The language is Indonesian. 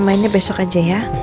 mainnya besok aja ya